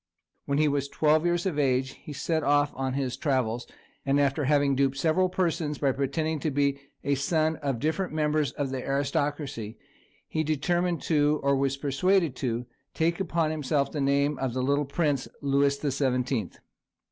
When he was twelve years of age he set off on his travels, and after having duped several persons by pretending to be a son of different members of the aristocracy, he determined to, or was persuaded to, take upon himself the name of the little prince, "Louis the Seventeenth."